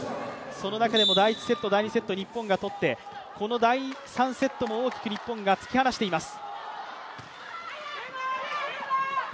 その中でも第１セット、第２セットを日本がとってこの第３セットも大きく日本が突き放しています。